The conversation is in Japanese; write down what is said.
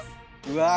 うわ